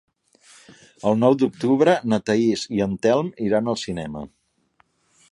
El nou d'octubre na Thaís i en Telm iran al cinema.